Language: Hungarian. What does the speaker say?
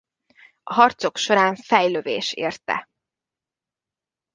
A harcok során fejlövés érte.